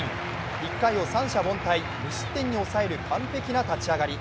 １回を三者凡退、無失点に抑える完璧な立ち上がり。